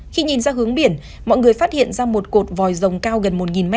khi nhìn ra hướng biển mọi người phát hiện ra một cột vòi rồng cao gần một m